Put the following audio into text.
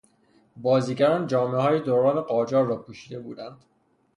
بازیگران جامههای دوران قاجار را پوشیده بودند.